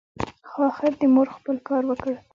خو اخر دي مور خپل کار وکړ !